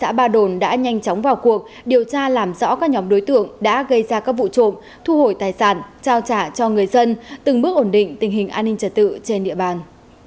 trước tình hình đó công an thị xã ba đồn đã nhanh chóng vào cuộc điều tra làm rõ các nhóm đối tượng đã gây ra các vụ trộm thu hồi tài sản trao trả cho người dân từng bước ổn định tình hình an ninh trật tự trên địa bàn